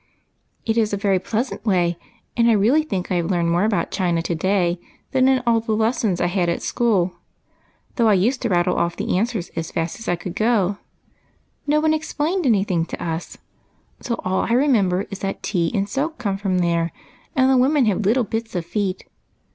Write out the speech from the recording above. " It is a very pleasant way, and I really think I A TRIP TO CHINA. 81 have learned more about China to day than in all the lessons I had at school, though I used to rattle off the answers as fast as I could go. No one explained any thing to us, so all I remember is that tea and silk come from there, and the women have little bits of feet.